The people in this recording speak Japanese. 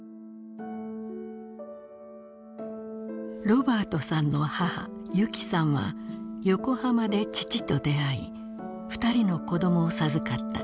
ロバァトさんの母ゆきさんは横浜で父と出会い２人の子どもを授かった。